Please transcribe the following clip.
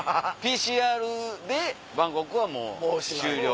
ＰＣＲでバンコクはもう終了。